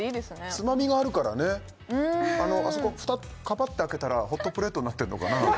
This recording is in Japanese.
ツマミがあるからねあそこ蓋カパッて開けたらホットプレートになってんのかな？